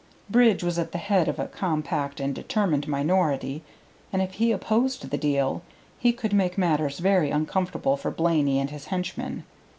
Bridge was at the head of a compact and determined minority, and if he opposed the deal, he could make matters very uncomfortable for Blaney and his henchmen.